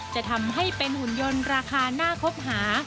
จะทำให้เป็นหุ่นยนต์ราคาน่าคบหา